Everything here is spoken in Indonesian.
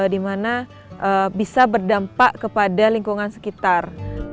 dimana bisa berdampak kepada lingkungan sekitar